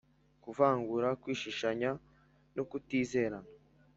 Kuvangura kwishishanya no kutizerana